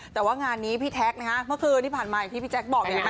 แต่ว่างานนี้พี่แท็กนะฮะเมื่อคืนนี้ผ่านมาก็พี่แท็กบอกสินะค่ะ